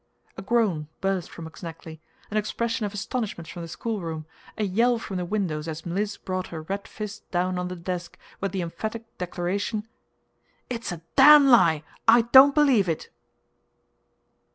A groan burst from McSnagley, an expression of astonishment from the schoolroom, a yell from the windows, as Mliss brought her red fist down on the desk, with the emphatic declaration: "It's a damn lie. I don't believe it!"